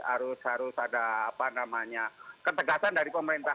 harus harus ada apa namanya ketegasan dari pemerintah